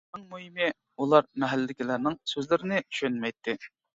ئەڭ مۇھىمى، ئۇلار مەھەللىدىكىلەرنىڭ سۆزلىرىنى چۈشەنمەيتتى.